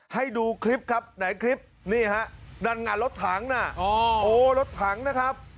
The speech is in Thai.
ให้ดูคลิปครับไหนคลิปนี่ฮะนั่นงานรถถังน่ะโอ้รถถังนะครับ